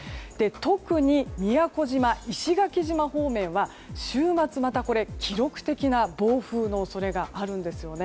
特に宮古島、石垣島方面は週末にまた、記録的な暴風の恐れがあるんです。